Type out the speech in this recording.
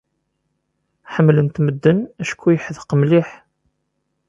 Ḥemmlen-t medden acku yeḥdeq mliḥ.